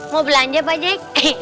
mau belanja pak jack